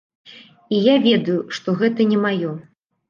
І я ведаю, што гэта не маё.